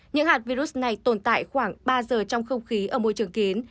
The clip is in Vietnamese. những hạt virus này tồn tại khoảng ba giờ trong không khí ở môi trường kín